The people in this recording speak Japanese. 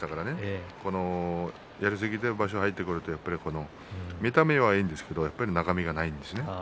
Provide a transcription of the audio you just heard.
やりすぎて場所に入ってくると見た目はいいんですけれど中身はないんですよね。